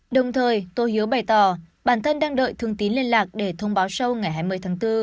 đồng thời tô hiếu bày tỏ bản thân đang đợi thương tín liên lạc để thông báo show ngày hai mươi tháng bốn